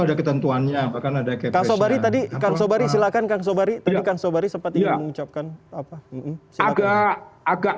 ada ketentuannya bahkan ada kekasih tadi silakan kang sobari tadi kang sobari sempat mengucapkan